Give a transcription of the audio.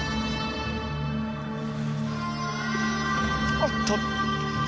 おっと。